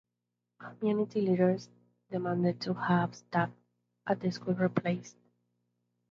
Community leaders demanded to have staff at the school replaced.